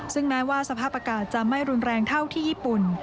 ซึ่งแม้ว่าสภาพอากาศจะไม่รุนแรงเท่าที่ญี่ปุ่น